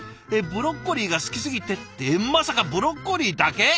「ブロッコリーが好きすぎて」ってまさかブロッコリーだけ？！